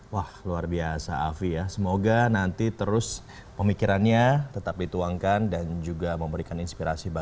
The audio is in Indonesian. wah luar biasa afi ya semoga nanti terus pemikirannya tetap dituangkan dan juga memberikan inspirasi